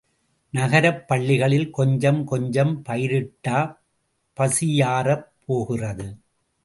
நகரப் பள்ளிகளில் கொஞ்சம் கொஞ்சம் பயிரிட்டா பசியாறப் போகிறது?